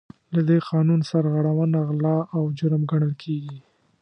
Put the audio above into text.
له دې قانون سرغړونه غلا او جرم ګڼل کیږي.